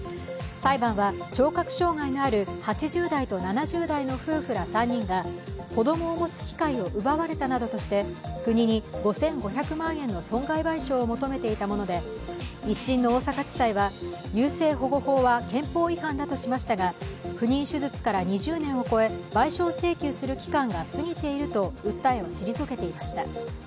裁判は、聴覚障害のある８０代と７０代の夫婦ら３人が子供を持つ機会を奪われたなどとして国に５５００万円の損害賠償を求めていたもので１審の大阪地裁は、優生保護法は憲法違反だとしていましたが不妊手術から２０年を超え賠償請求する期間を過ぎていると訴えを退けていました。